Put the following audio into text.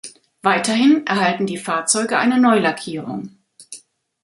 Weiterhin erhalten die Fahrzeuge eine Neulackierung.